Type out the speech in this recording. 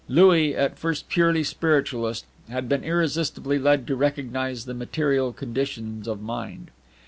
Louis, at first purely Spiritualist, had been irresistibly led to recognize the Material conditions of Mind.